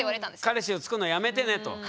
彼氏をつくるのやめてねと。